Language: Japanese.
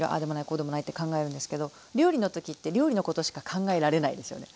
こうでもないって考えるんですけど料理の時って料理のことしか考えられないんですよね。